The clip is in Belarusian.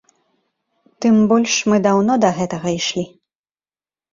Тым больш мы даўно да гэтага ішлі.